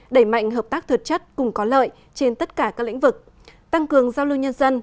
đẩy mạnh hợp tác thực chất cùng có lợi trên tất cả các lĩnh vực tăng cường giao lưu nhân dân